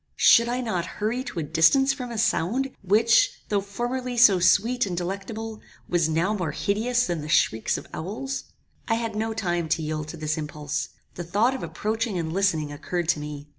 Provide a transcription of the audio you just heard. Should I not hurry to a distance from a sound, which, though formerly so sweet and delectable, was now more hideous than the shrieks of owls? "I had no time to yield to this impulse. The thought of approaching and listening occurred to me.